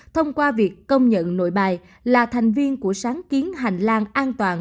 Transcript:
thông qua việc công nhận nội bài là thành viên của sáng kiến hành lang an toàn